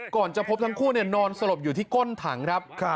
ก่อนจะพบทั้งคู่นอนสลบอยู่ที่ก้นถังครับ